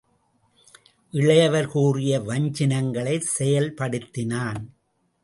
இளையவர் கூறிய வஞ்சினங்களைச் செயல் படுத்தினான்.